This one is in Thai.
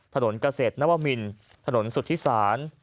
ถนนเกษตรนวมินถนนสุธิศาล